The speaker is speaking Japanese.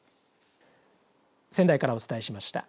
仙台からお伝えしました。